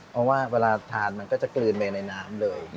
เพราะว่าเวลาทานมันก็จะกลืนไปในน้ำเลย